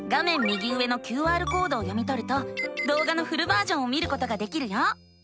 右上のＱＲコードを読みとるとどうがのフルバージョンを見ることができるよ。